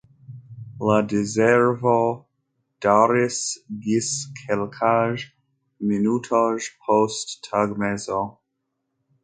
La Diservo daŭris ĝis kelkaj minutoj post tagmezo.